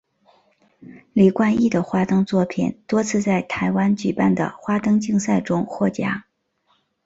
李冠毅的花灯作品多次在台湾举办的花灯竞赛中获奖。